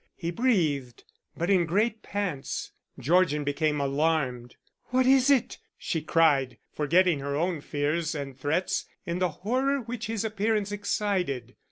He breathed, but in great pants. Georgian became alarmed. "What is it?" she cried, forgetting her own fears and threats in the horror which his appearance excited.